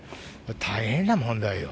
大変な問題よ。